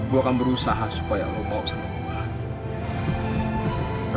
gue akan berusaha supaya lo bawa sama gue